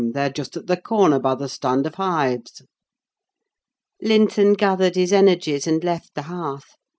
they are just at the corner, by the stand of hives." Linton gathered his energies, and left the hearth.